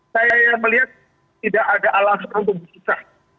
saya melihat tidak ada alasan untuk bisa